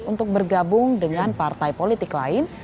untuk bergabung dengan partai politik lain